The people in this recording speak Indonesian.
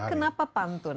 tapi kenapa pantun